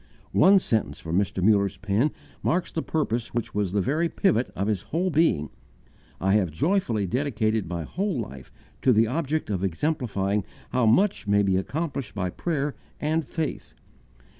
One sentence from Mr. Muller's pen marks the purpose which was the very pivot of his whole being: "I have joyfully dedicated my whole life to the object of exemplifying how much may be accomplished by prayer and faith."